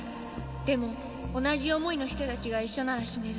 「でも同じ思いの人たちが一緒なら死ねる」